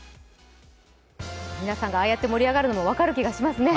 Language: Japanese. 皆さんがああやって盛り上がるのも分かる気がしますね。